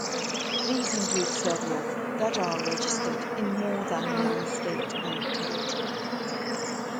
These include several that are registered in more than one State and Territory.